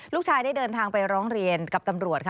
ลูกชายได้เดินทางไปร้องเรียนกับตำรวจค่ะ